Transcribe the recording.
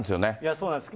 そうなんです。